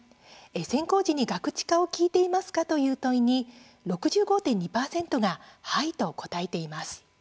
選考時にガクチカを聞いていますか？という問いに、６５．２％がはいと答えています。